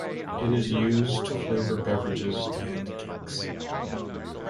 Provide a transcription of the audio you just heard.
It is used to flavor beverages and cakes.